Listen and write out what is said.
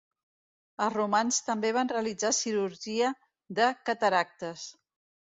Els romans també van realitzar cirurgia de cataractes.